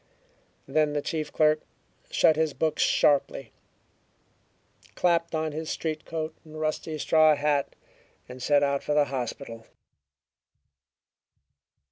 Then the chief clerk shut his books sharply, clapped on his street coat and rusty straw hat, and set out for the hospital.